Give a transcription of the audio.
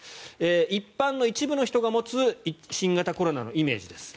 一般の一部の人が持つ新型コロナのイメージです。